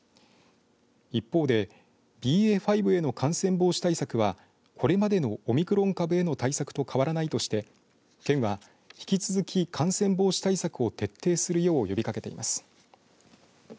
一方でＢＡ．５への感染防止対策はこれまでのオミクロン株への対策と変わらないとして県は、引き続き感染防止対策を決定するよう呼びかけています。